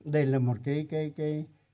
đây là một cái